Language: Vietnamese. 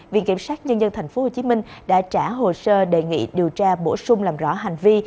viện kiểm sát nhân dân tp hcm đã trả hồ sơ đề nghị điều tra bổ sung làm rõ hành vi